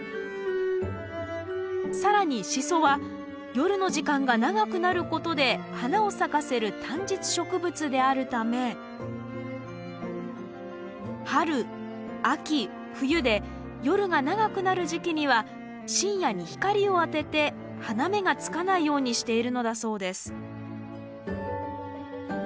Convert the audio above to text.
更にシソは夜の時間が長くなることで花を咲かせる短日植物であるため春・秋・冬で夜が長くなる時期には深夜に光を当てて花芽がつかないようにしているのだそうです